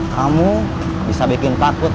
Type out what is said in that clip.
kamu bisa bikin takut